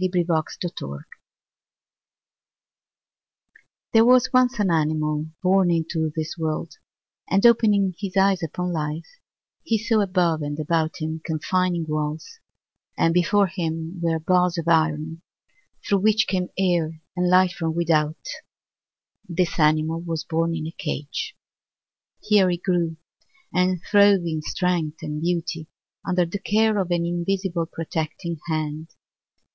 A Life FableKate Chopin There was once an animal born into this world, and opening his eyes upon Life, he saw above and about him confining walls, and before him were bars of iron through which came air and light from without; this animal was born in a cage. Here he grew, and throve in strength and beauty under the care of an invisible protecting hand.